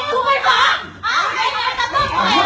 ช่วยด้วยค่ะส่วนสุด